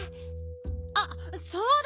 あっそうだ！